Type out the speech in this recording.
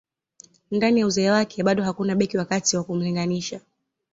Ndani ya uzee wake bado hakuna beki wa kati wa kumlinganisha